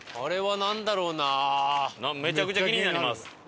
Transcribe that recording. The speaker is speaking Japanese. めちゃくちゃ気になります。